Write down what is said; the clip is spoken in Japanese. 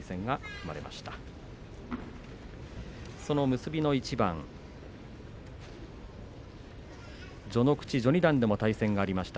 結びの一番序ノ口、序二段でも対戦がありました。